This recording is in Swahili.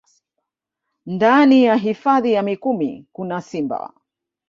Ndani ya hifadhi ya Mikumi kuna simba